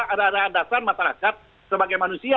harah harah dasar masyarakat sebagai manusia